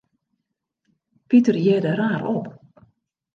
Piter hearde raar op.